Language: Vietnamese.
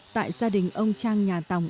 tại gia đình ông trang nhà tòng